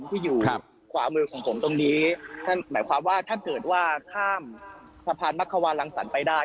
ที่อยู่ขวามือของผมตรงนี้นั่นหมายความว่าถ้าเกิดว่าข้ามสะพานมักขวานรังสรรคไปได้